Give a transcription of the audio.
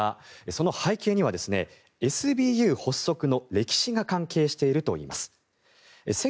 その背景にはＳＢＵ発足の歴史が関係しているといいます。